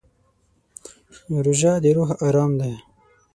روژه د روح ارام دی.